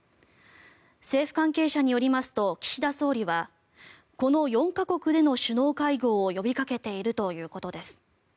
政府関係者によりますと岸田総理はこの４か国での首脳会合を呼びかけているということです。